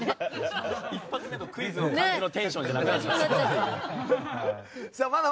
一発目のクイズの感じのテンションじゃないですね。